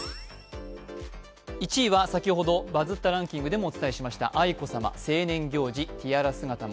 １位は先ほど「バズったワードランキング」でもお伝えしました愛子さま成年行事、ティアラ姿も。